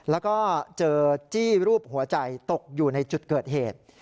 แล้วก็เจอจี้รูปหัวใจตกอยู่ในจุดเกิดเหตุ